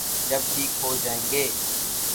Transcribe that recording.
جب ٹھیک ہو جائیں گے۔